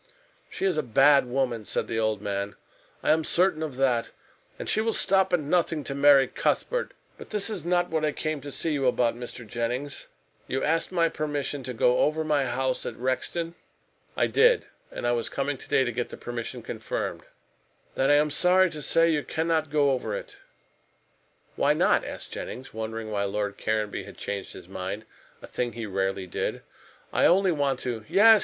"She is a bad woman," said the old man. "I am certain of that. And she will stop at nothing to marry Cuthbert. But this is not what I came to see you about, Mr. Jennings. You asked my permission to go over my house at Rexton?" "I did. And I was coming to day to get the permission confirmed." "Then I am sorry to say you cannot go over it." "Why not?" asked Jennings, wondering why Lord Caranby had changed his mind a thing he rarely did. "I only want to " "Yes!